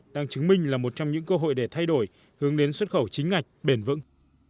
đang chứng minh là một trong những cơ hội để thay đổi hướng đến xuất khẩu chính ngạch bền vững